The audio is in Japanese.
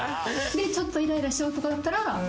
でちょっとイライラしちゃうとかだったら。